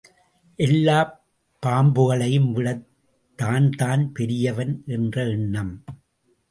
எல்லாப் பாம்புகளையும் விட தான்தான் பெரியவன் என்ற எண்ணம்.